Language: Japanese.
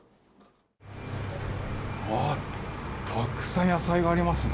うわー、たくさん野菜がありますね。